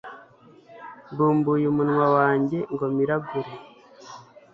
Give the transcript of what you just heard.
Mbumbuye umunwa wanjye ngo miragure